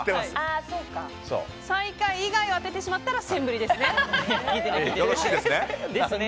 最下位以外を当ててしまったらセンブリですね。